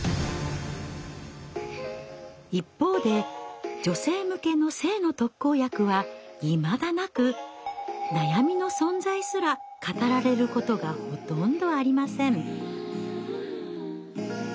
一方で女性向けの性の特効薬はいまだなく悩みの存在すら語られることがほとんどありません。